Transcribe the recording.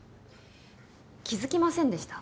気付きませんでした？